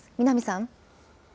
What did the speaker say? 南さん。